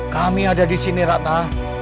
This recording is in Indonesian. kami ada di sini ratna